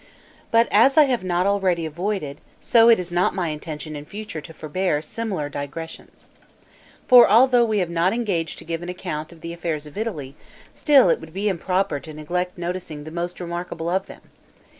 But as I have not already avoided, so it is not my intention in future to forbear, similar digressions. For although we have not engaged to give an account of the affairs of Italy, still it would be improper to neglect noticing the most remarkable of them.